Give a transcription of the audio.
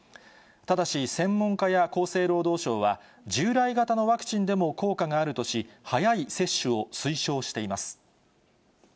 ただし、専門家や厚生労働省は、従来型のワクチンでも効果があるとし、早い接種を推奨しています。